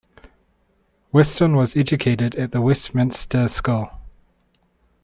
Weston was educated at the Westminster School.